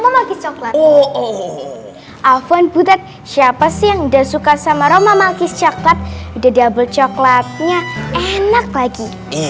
yo although apon gmail syyab ein anda rah romama ki n discount karena coklatnya enak lagi